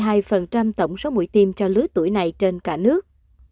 hà nội đã triển khai tổng số mũi tiêm cho lứa tuổi này trên cả nước